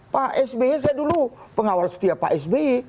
pak sbe saya dulu pengawal setia pak sbe